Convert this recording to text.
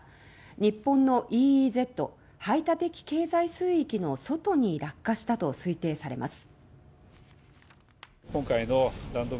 日本のＥＥＺ・排他的経済水域の外に落下したと推定されます。